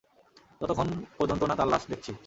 যতক্ষন পর্যন্ত না তার লাশ দেখছি।